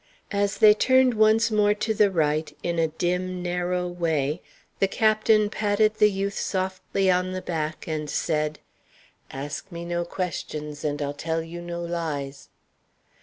As they turned once more to the right in a dim, narrow way, the captain patted the youth softly on the back, and said: "Ask me no questions, and I'll tell you no lies."